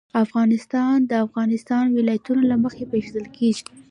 افغانستان د د افغانستان ولايتونه له مخې پېژندل کېږي.